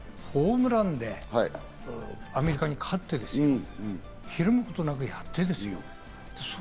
でも堂々とホームランでアメリカに勝ってですよ、怯むことなくやってですよ。